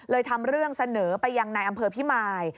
เลยทำเรื่องเสนอไปยังในอำเภอภิมาย